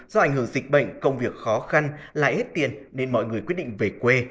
do ảnh hưởng dịch bệnh công việc khó khăn lại hết tiền nên mọi người quyết định về quê